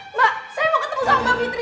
mbak saya mau ketemu sama mbak fitri